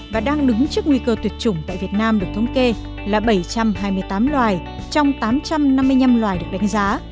và đang đứng trước nguy cơ tuyệt chủng tại việt nam được thống kê là bảy trăm hai mươi tám loài trong tám trăm năm mươi năm loài được đánh giá